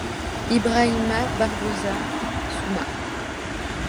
Ibrahima Barboza Souma.